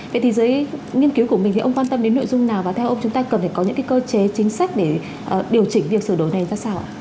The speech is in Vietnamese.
vậy thì giới nghiên cứu của mình thì ông quan tâm đến nội dung nào và theo ông chúng ta cần phải có những cái cơ chế chính sách để điều chỉnh việc sửa đổi này ra sao ạ